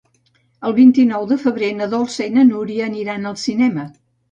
El vint-i-nou de febrer na Dolça i na Núria aniran al cinema.